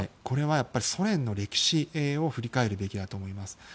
これはソ連の歴史を振り返るべきだと思います。